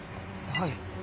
はい。